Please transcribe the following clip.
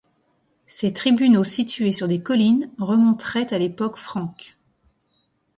Ces tribunaux situés sur des collines remonterait à l'époque franque.